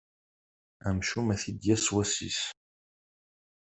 Amcum ad t-id-yas wass-is!